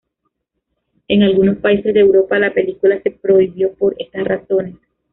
En algunos países de Europa la película se prohibió por estas razones.